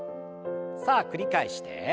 さあ繰り返して。